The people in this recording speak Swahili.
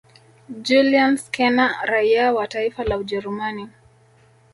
Julian Scherner raia wa taifa la Ujerumani